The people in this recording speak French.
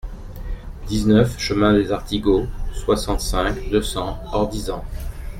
dix-neuf chemin des Artigaux, soixante-cinq, deux cents, Ordizan